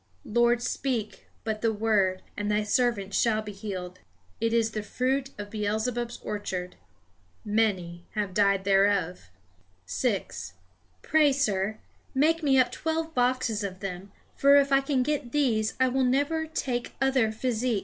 Lord, speak but the word, and Thy servant shall be healed." It is the fruit of Beelzebub's orchard. Many have died thereof. 6. "Pray, sir, make me up twelve boxes of them; for if I can get these, I will never take other physic."